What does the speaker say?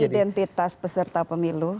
apa sih identitas peserta pemilu